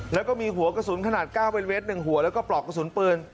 แล้วก็มีหัวกระสุนขนาด๙เป็นเมตร๑หัวแล้วก็ปลอกกระสุนปืน